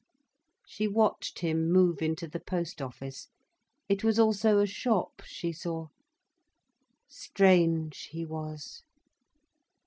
She watched him move into the post office. It was also a shop, she saw. Strange, he was.